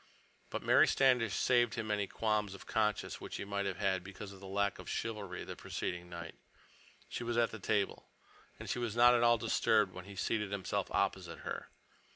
But Mary Standish saved him any qualms of conscience which he might have had because of his lack of chivalry the preceding night. She was at the table. And she was not at all disturbed when he seated himself opposite her.